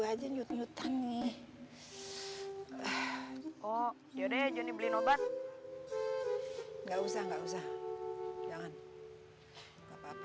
aja nyut nyutan nih oh ya deh jadi beli obat nggak usah nggak usah jangan